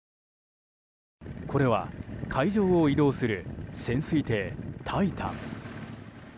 これは海上を移動する潜水艇「タイタン」。